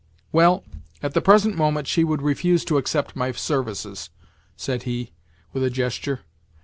"Well, at the present moment she would refuse to accept my services," said he with a gesture.